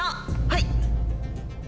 はい。